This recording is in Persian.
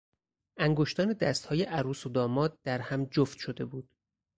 انگشتان دست های عروس و داماد در هم جفت شده بود.